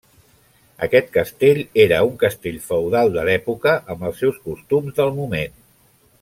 Aquest castell era un castell feudal de l'època amb els seus costums del moment.